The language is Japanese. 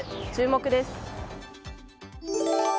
注目です。